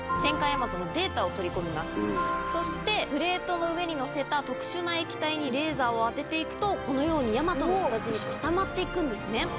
そしてプレートの上にのせた特殊な液体にレーザーを当てていくとこのように大和の形に固まっていくんですね。